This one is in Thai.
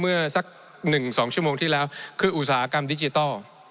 เมื่อสัก๑๒ชั่วโมงที่แล้วคืออุตสาหกรรมดิจิทัล